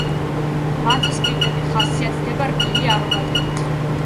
მათი სპირტები ხასიათდება რბილი არომატებით.